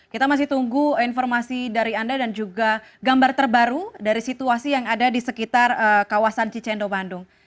kita masih tunggu informasi dari anda dan juga gambar terbaru dari situasi yang ada di sekitar kawasan cicendo bandung